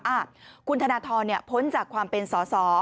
อ้าวคุณธนทรพ้นจากความเป็นสอสอ